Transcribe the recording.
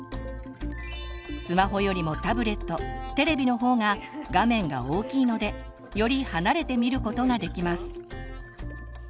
スマホよりもタブレットテレビの方が画面が大きいのでより離れて見ることができます。